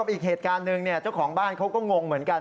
อีกเหตุการณ์หนึ่งเจ้าของบ้านเขาก็งงเหมือนกัน